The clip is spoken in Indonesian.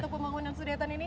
untuk pembangunan sudetan ini